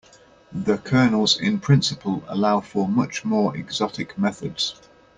The kernels in principle allow for much more exotic methods.